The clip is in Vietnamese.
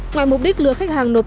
ngoài mục đích lừa khách hàng nổi bệnh